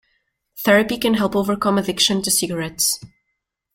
Therapy can help overcome addiction to cigarettes.